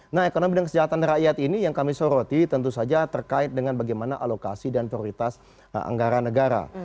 nah ekonomi dan kesejahteraan rakyat ini yang kami soroti tentu saja terkait dengan bagaimana alokasi dan prioritas anggaran negara